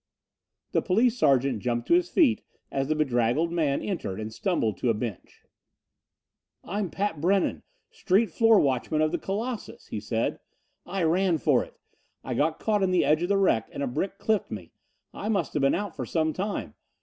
The police sergeant jumped to his feet as the bedraggled man entered and stumbled to a bench. "I'm Pat Brennan, street floor watchman of the Colossus," he said. "I ran for it. I got caught in the edge of the wreck and a brick clipped me. I musta been out for some time.